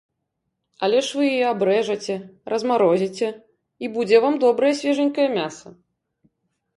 Але ж вы яе абрэжаце, размарозіце і будзе вам добрае свежанькае мяса!